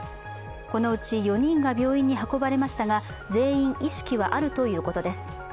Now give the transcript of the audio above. このうち４人が病院に運ばれましたが全員意識はあるということです。